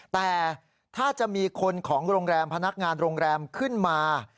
แต่ถ้าจะมีคนของโรงแรมพนักงานโรงแรมขึ้นมา